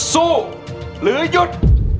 สู้หรือหยุด